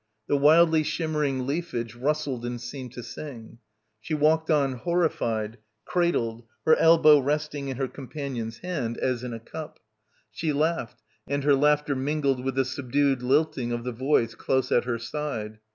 The wildly shimmering leafage rustled and seemed to sing. She walked on horrified, cradled, her elbow resting in her companion's hand as in a cup. She laughed, and her laughter mingled with the subdued lilting of the voice close at her side.